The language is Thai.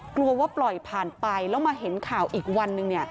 กลัวว่าปล่อยผ่านไปแล้วมาเห็นข่าวอีกวันหนึ่ง